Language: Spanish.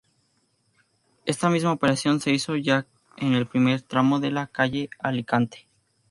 Esta misma operación se hizo ya en el primer tramo de la calle Alicante.